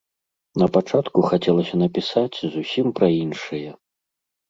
Напачатку хацелася напісаць зусім пра іншае.